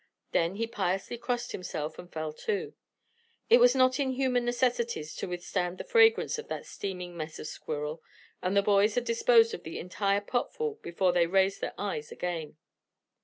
Then he piously crossed himself and fell to. It was not in human necessities to withstand the fragrance of that steaming mess of squirrel, and the boys had disposed of the entire potful before they raised their eyes again.